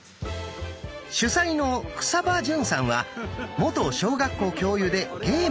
主宰の草場純さんは元小学校教諭でゲーム研究家。